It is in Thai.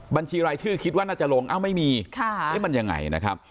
บัญชีรายชื่อคิดว่าน่าจะลงเอ้าไม่มีมันยังไงนะครับ